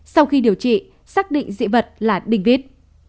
sau khi điều trị xác định dị vật là đinh vít